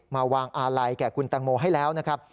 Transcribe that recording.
มาวางอาลัยแก่คุณแตงโมให้แล้วนะครับ